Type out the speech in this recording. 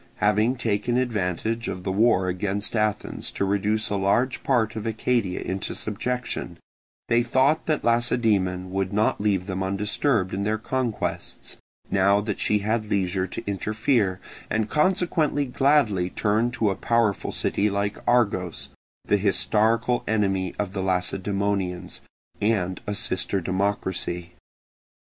Having taken advantage of the war against Athens to reduce a large part of Arcadia into subjection, they thought that Lacedaemon would not leave them undisturbed in their conquests, now that she had leisure to interfere, and consequently gladly turned to a powerful city like Argos, the historical enemy of the Lacedaemonians, and a sister democracy.